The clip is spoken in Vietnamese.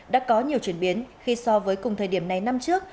đã có nhiều chuyển biến khi so với cùng thời điểm này năm trước